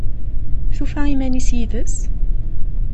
Tufa iman-is yid-s?